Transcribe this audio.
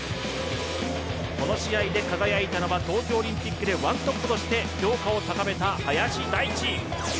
この試合で輝いたのは東京オリンピックでワントップとして評価を高めた林大地。